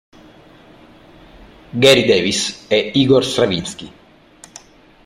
Gary Davis, e Igor Stravinsky.